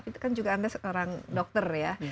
mungkin juga anda seorang dokter ya